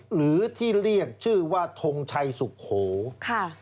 หรือที่เรียกชื่อว่าทงชัยสุโขค่ะ